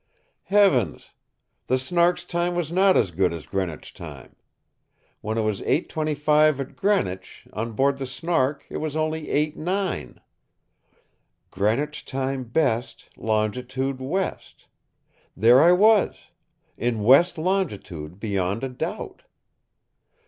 Heavens! The Snark's time was not as good as Greenwich time. When it was 8:25 at Greenwich, on board the Snark it was only 8:9. "Greenwich time best, longitude west." There I was. In west longitude beyond a doubt.